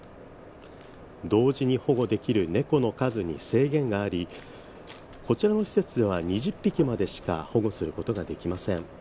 同時に保護できる猫の数に制限がありこちらの施設では２０匹までしか保護することができません。